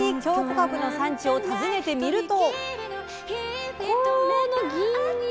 かぶの産地を訪ねてみると。